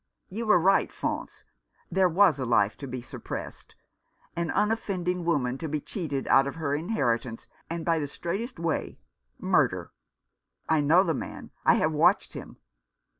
You were right, Faunce. There was a life to be suppressed ; an unoffending woman to be cheated out of her inheritance, and by the straightest way — murder. I know the man I have watched him.